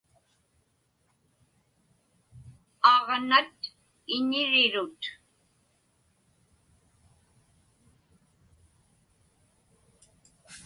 Aġnat iñirirut.